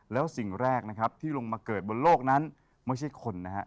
แล้วสิ่งแรกนะครับที่ลงมาเกิดบนโลกนั้นไม่ใช่คนนะฮะ